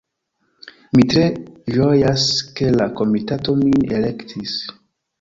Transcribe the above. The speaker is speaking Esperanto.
Mi tre ĝojas, ke la komitato min elektis.